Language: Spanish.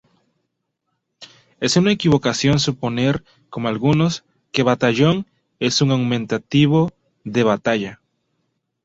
Es una equivocación suponer, como algunos, que batallón es un aumentativo de "batalla".